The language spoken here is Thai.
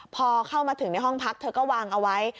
พอเข้ามาถึงในห้องพักเธอก็วางเอาไว้